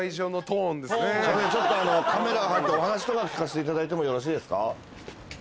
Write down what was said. ちょっとカメラ入ってお話とか聞かせていただいてもよろしいですか？